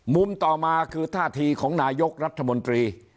ต่อมาคือท่าทีของนายกรัฐมนตรี